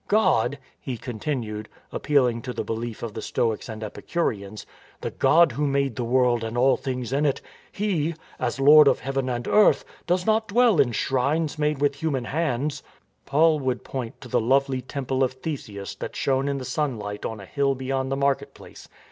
God," he continued, appealing to the belief of the Stoics and Epicureans, " the God who made the world and all things in it, He, as Lord of heaven and earth, does not dwell in shrines made with human hands." Paul would point to the lovely temple of Theseus that shone in the sunlight on a hill beyond the market place.